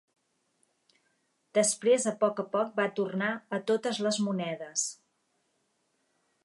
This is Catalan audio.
Després a poc a poc va tornar a totes les monedes.